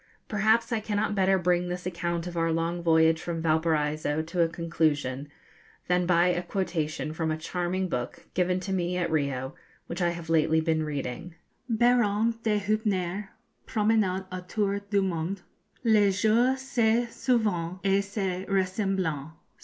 Perhaps I cannot better bring this account of our long voyage from Valparaiso to a conclusion than by a quotation from a charming book, given to me at Rio, which I have lately been reading Baron de Hubner's 'Promenade autour du Monde:' 'Les jours se suivent et se ressemblent.